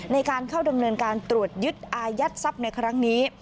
ในการเข้าดำเนินการตรวจยึดอายัดทรัพย์ในครั้งนี้